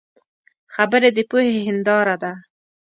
خبرې د پوهې هنداره ده